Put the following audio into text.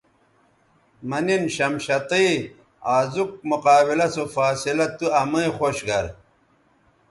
مہ نِن شمشتئ آزوک مقابلہ سو فاصلہ تو امئ خوش گر